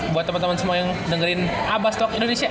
buat temen temen semua yang dengerin abas talk indonesia